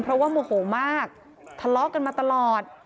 เพราะว่าโมโหมากทะเลาะกันมาตลอด